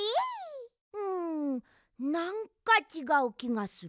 んなんかちがうきがする。